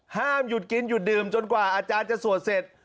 ห้ามหยุดกินหยุดดื่มจนกว่าอาจารย์จะสวดเสร็จ